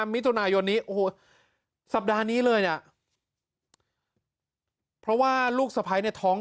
มิถุนายนนี้โอ้โหสัปดาห์นี้เลยเนี่ยเพราะว่าลูกสะพ้ายเนี่ยท้อง